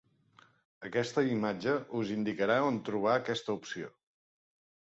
Aquesta imatge us indicarà on trobar aquesta opció.